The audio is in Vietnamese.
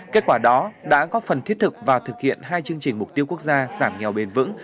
kết quả đó đã góp phần thiết thực và thực hiện hai chương trình mục tiêu quốc gia giảm nghèo bền vững